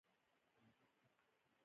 خوب د شپه زړګي ته خوشالي راوړي